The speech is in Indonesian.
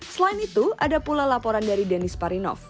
selain itu ada pula laporan dari dennis parinov